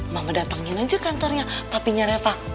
mama datangin aja kantornya papinya reva